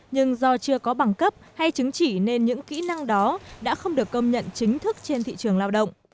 nhưng do chưa có bằng cấp hay chứng chỉ nên những kỹ năng đó đã không được công nhận chính thức trên thị trường lao động